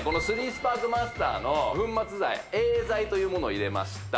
３スパークマスターの粉末剤Ａ剤というものを入れました